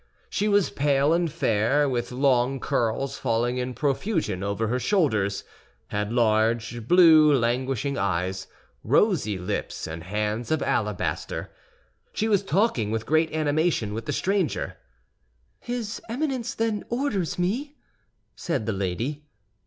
She was pale and fair, with long curls falling in profusion over her shoulders, had large, blue, languishing eyes, rosy lips, and hands of alabaster. She was talking with great animation with the stranger. "His Eminence, then, orders me—" said the lady.